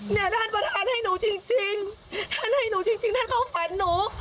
เนี่ยท่านประธานให้หนูจริงท่านให้หนูจริงท่านเข้าฝันหนู